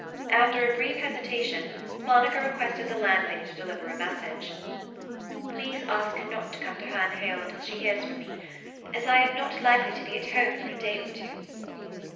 After a brief hesitation Monica requested the landlady to deliver a message. "Please ask her not to come to Herne Hill until she hears from me, as I am not likely to be at home for a day or two."